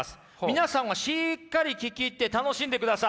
皆さんはしっかり聴き入って楽しんでください。